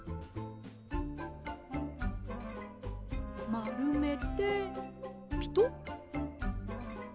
まるめてピトッ。